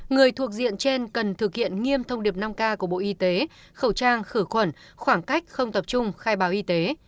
người thuộc diện trên cần thực hiện nghiêm thông điệp năm k của bộ y tế khẩu trang khử khuẩn khoảng cách không tập trung khai báo y tế